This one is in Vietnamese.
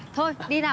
thôi đi nào